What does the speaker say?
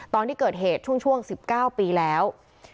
ตอนที่เกิดเหตุช่วง๑๙ปีแล้ว